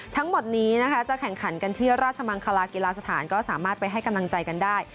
ทั้งหมดนี้นะคะจะแข่งขันกันที่ราชมังคลากีฬาสถานก็สามารถไปให้กำลังใจกันได้